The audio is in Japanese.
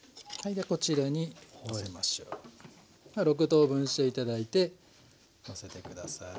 ６等分して頂いてのせて下さい。